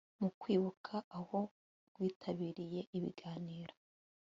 mu kwibuka aho rwitabiriye ibiganiro